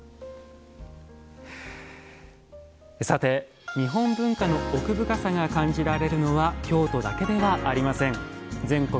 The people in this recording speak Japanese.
さて日本文化の奥深さが感じられるのは京都だけではありません。